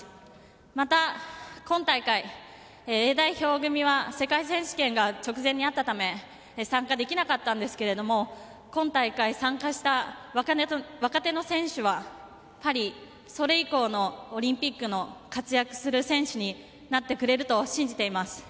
また、今大会Ａ代表組は世界選手権が直前にあったため参加できなかったんですが今大会、参加した若手の選手はパリ、それ以降のオリンピックの活躍する選手になってくれると信じています。